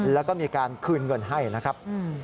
แล้วก็มีการคืนเงินให้นะครับ